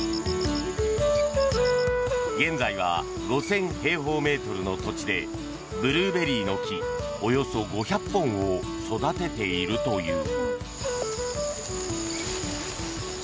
現在は５０００平方メートルの土地でブルーベリーの木およそ５００本を育てているという。